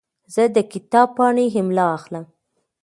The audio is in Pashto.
زه د کتاب پاڼې املا اخلم.